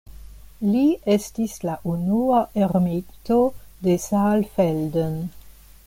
Li estis la unua ermito de Saalfelden.